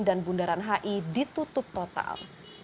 dan bundaran hi ditutup total